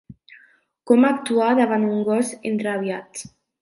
Com actuar davant un gos enrabiat.